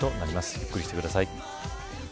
ゆっくりしてください。